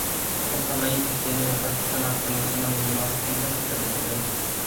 Esta Ley extiende la práctica de la planeación a los demás entes territoriales.